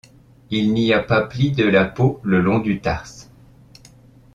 Il n'y a pas pli de la peau le long du tarse.